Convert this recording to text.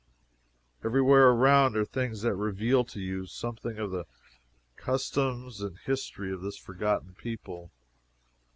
Every where around are things that reveal to you something of the customs and history of this forgotten people.